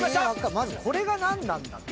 まずこれが何なんだって。